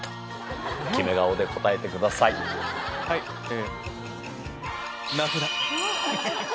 はいえ。